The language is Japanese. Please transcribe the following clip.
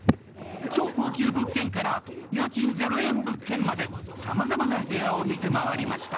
超高級物件から家賃ゼロ円物件までさまざまな部屋を見て回りました。